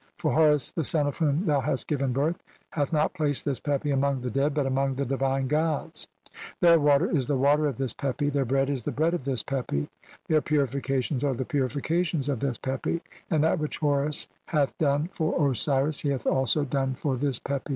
For Horus, the son to whom thou hast "given birth, hath not placed this Pepi among the "dead, but among the divine gods ; their water is "the water of this Pepi, their bread is the bread of "this Pepi, their purifications are the purifications of "this Pepi, and that which Horus hath done for Osiris "he hath also done for this Pepi."